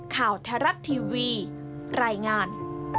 ข่าวทรัศน์ทีวีรายงาน